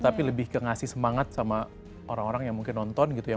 tapi lebih ke ngasih semangat sama orang orang yang mungkin nonton gitu ya